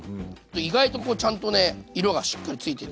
意外とこうちゃんとね色がしっかりついてて。